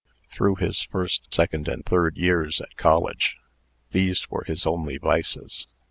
Through his first, second, and third years at college, these were his only vices.